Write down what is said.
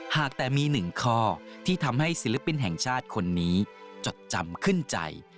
หากแต่มีหนึ่งข้อที่ทำให้ศิลปินแห่งชาติคนนี้จดจำขึ้นใจ